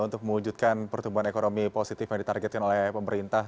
untuk mewujudkan pertumbuhan ekonomi positif yang ditargetkan oleh pemerintah